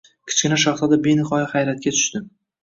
Kichkina shahzoda benihoya hayratga tushdi.